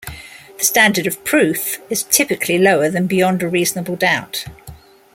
The standard of proof is typically lower than beyond a reasonable doubt.